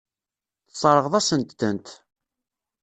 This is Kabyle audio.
Tesseṛɣeḍ-asent-tent.